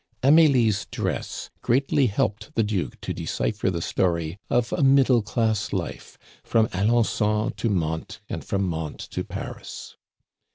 Amelie's dress greatly helped the Duke to decipher the story of a middle class life, from Alencon to Mantes, and from Mantes to Paris.